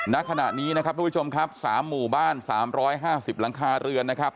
ณขณะนี้นะครับทุกผู้ชมครับ๓หมู่บ้าน๓๕๐หลังคาเรือนนะครับ